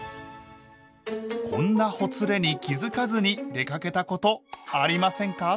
こんなほつれに気付かずに出かけたことありませんか？